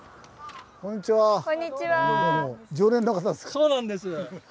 そうなんです。